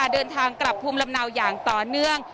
เดินทางกลับภูมิลำเนาอย่างต่อเนื่อง